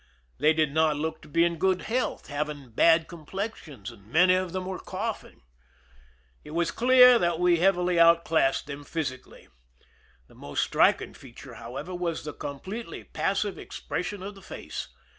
They did not look to be in good health, having bad com plexions, and many of them were coughing. It was clear that we heavily outclassed them physi cally. The most striking feature, however, was the completely passive expression of the face.